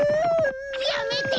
やめて！